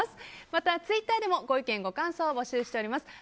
またツイッターでもご意見ご感想をお待ちしております。